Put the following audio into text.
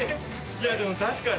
いやでも確かに。